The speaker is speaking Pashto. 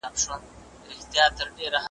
که موږ کورنۍ وڅېړو نو ټولنیز حقایق به معلوم سي.